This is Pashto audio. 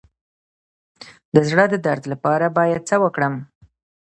د زړه د درد لپاره باید څه وکړم؟